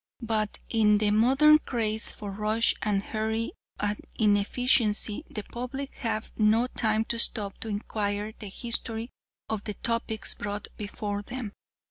But in the modern craze for rush and hurry and inefficiency the public have no time to stop to inquire the history of the topics brought before them.